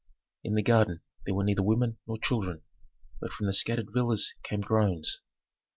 In the garden there were neither women nor children, but from the scattered villas came groans.